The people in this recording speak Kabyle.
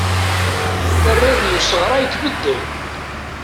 Tarrayt n usɣray tbeddel.